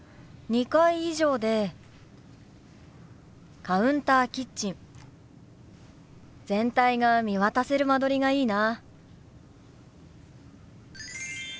２階以上でカウンターキッチン全体が見渡せる間取りがいいな。